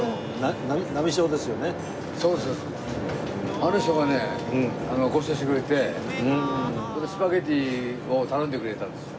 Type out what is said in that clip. あの人がねご馳走してくれてスパゲティを頼んでくれたんですよ。